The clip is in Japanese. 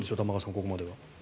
ここまでは。